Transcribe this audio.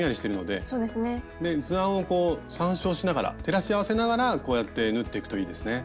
で図案をこう参照しながら照らし合わせながらこうやって縫っていくといいですね。